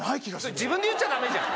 自分で言っちゃダメじゃん。